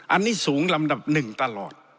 อันนี้สูงลำดับหนึ่งตลอด